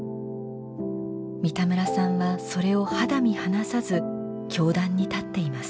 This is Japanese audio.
三田村さんはそれを肌身離さず教壇に立っています。